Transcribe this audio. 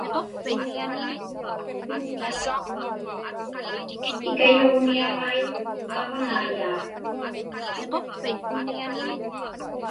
Ikayuġniaġai aġnaiyaat.